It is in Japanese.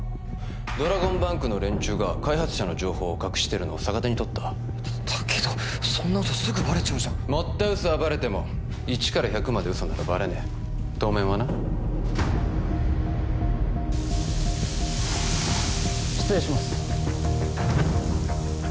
ドラゴンバンクの連中が開発者の情報を隠してるのを逆手にとっただけどそんな嘘すぐバレちゃうじゃん盛った嘘はバレても一から百まで嘘ならバレねえ当面はな失礼します